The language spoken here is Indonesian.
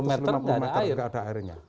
satu ratus lima puluh meter tidak ada airnya